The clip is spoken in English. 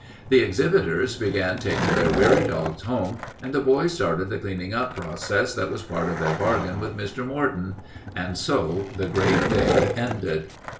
The exhibitors began taking their weary dogs home and the boys started the cleaning up process that was part of their bargain with Mr. Morton. And so the great day ended.